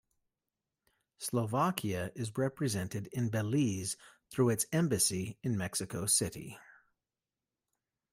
Slovakia is represented in Belize through its embassy in Mexico City.